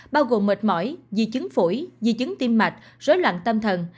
bao gồm mệt mỏi di chứng phổi di chứng tim mạch rối loạn tâm thần